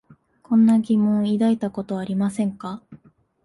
こんな疑問を抱いたことはありませんか？